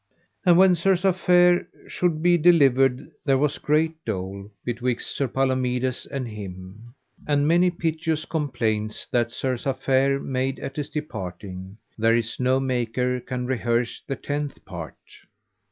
And when Sir Safere should be delivered there was great dole betwixt Sir Palomides and him, and many piteous complaints that Sir Safere made at his departing, there is no maker can rehearse the tenth part.